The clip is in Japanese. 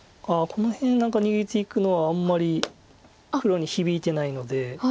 この辺何か逃げていくのはあんまり黒に響いてないので。